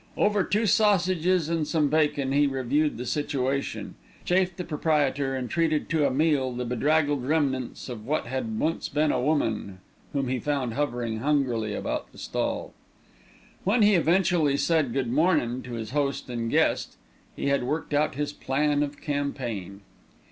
Over two sausages and some bacon he reviewed the situation, chaffed the proprietor, and treated to a meal the bedraggled remnants of what had once been a woman, whom he found hovering hungrily about the stall. When he eventually said "Good mornin'" to his host and guest, he had worked out his plan of campaign.